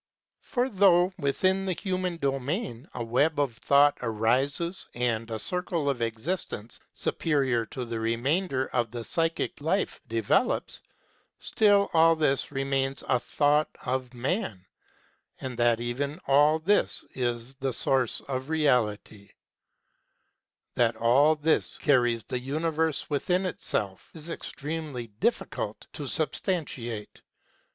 For though, within the human domain, a web of Thought arises and a circle of existence superior to the remainder of the psychic life develops, still all this remains a thought of man ; and that even all this is the source of Reality that all this carries the universe within itself is extremely difficult to substantiate.